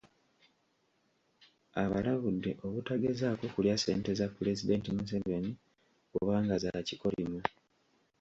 Abalabudde obutagezaako kulya ssente za Pulezidenti Museveni kubanga za kikolimo .